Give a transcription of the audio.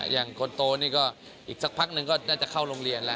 อย่างคนโตนี่ก็อีกสักพักหนึ่งก็น่าจะเข้าโรงเรียนแล้ว